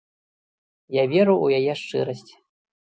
Я веру ў яе шчырасць.